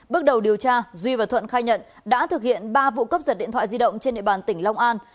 bước đầu điều tra duy và thuận khai nhận đã thực hiện ba vụ cấp giật điện thoại di động trên địa bàn tỉnh long an